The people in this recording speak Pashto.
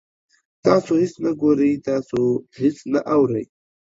تاسو هیڅ نه ګورئ، تاسو هیڅ نه اورئ